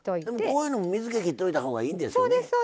こういうのも水け切っといた方がいいんですよね。